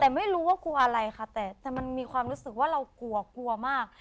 แต่ไม่รู้ว่ากลัวอะไรค่ะแต่มันมีความรู้สึกว่าเรากลัวกลัวมาก